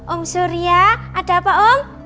om surya ada apa om